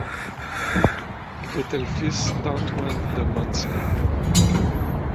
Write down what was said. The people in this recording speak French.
Il était le fils de Antoine de Monspey.